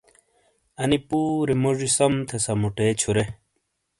انی پُورے موجی سم تھے سمُوٹے چھُورے۔